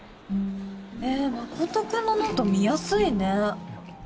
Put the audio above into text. へぇ誠くんのノート見やすいね。